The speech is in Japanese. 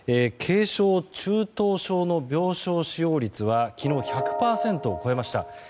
軽症・中等症の病床使用率は昨日、１００％を超えました。